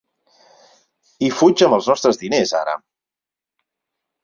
I fuig amb els nostres diners, ara.